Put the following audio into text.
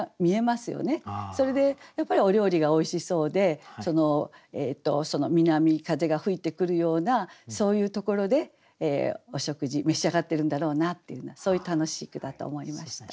それでやっぱりお料理がおいしそうでその南風が吹いてくるようなそういうところでお食事召し上がってるんだろうなっていうようなそういう楽しい句だと思いました。